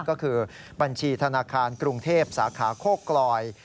ก็คือบัญชีธนาคารกรุงเทพสาขาโคกลอย